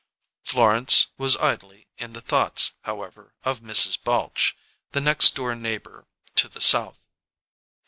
Florence was idly in the thoughts, however, of Mrs. Balche, the next door neighbour to the south.